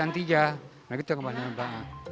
nah gitu kelasnya